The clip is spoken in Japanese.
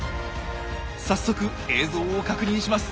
早速映像を確認します。